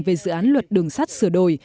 về dự án luật đường sát sửa đổi